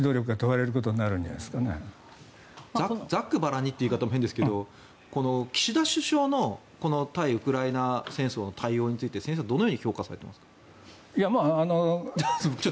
ざっくばらんにという言い方は変ですが岸田首相の対ウクライナ戦争の対応について先生はどう評価されていますか？